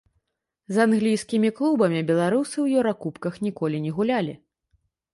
З англійскімі клубамі беларусы ў еўракубках ніколі не гулялі.